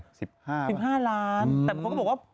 ๑๕ล้านแต่บางคนก็บอกว่า